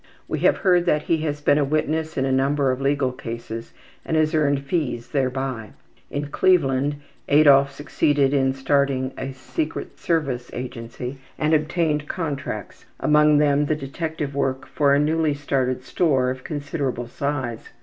We have heard that he has been a witness in a number of legal cases and has earned fees thereby. In Cleveland Adolf succeeded in starting a secret service agency and obtained contracts, among them the detective work for a newly started store of considerable size.